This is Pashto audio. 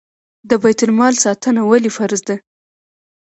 د بیت المال ساتنه ولې فرض ده؟